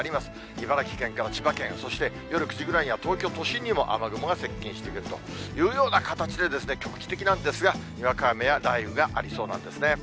茨城県から千葉県、そして夜９時ぐらいには東京都心にも雨雲が接近してくるというような形で、局地的なんですが、にわか雨や雷雨がありそうなんですね。